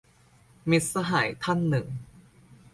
- มิตรสหายท่านหนึ่ง